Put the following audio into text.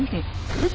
えっ？